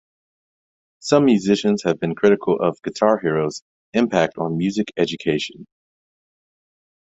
Some musicians have been critical of "Guitar Hero"'s impact on music education.